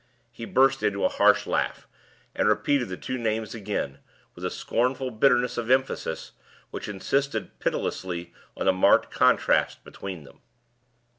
He burst into a harsh laugh, and repeated the two names again, with a scornful bitterness of emphasis which insisted pitilessly on the marked contrast between them.